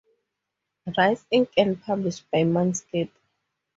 Rice Inc and published by Mindscape.